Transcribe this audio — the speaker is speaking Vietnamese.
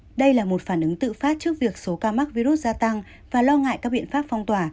ông andrew lippow cũng tự phát trước việc số ca mắc virus gia tăng và lo ngại các biện pháp phong tỏa